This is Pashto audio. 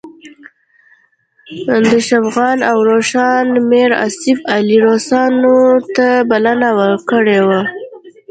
د شغنان او روشان میر آصف علي روسانو ته بلنه ورکړې وه.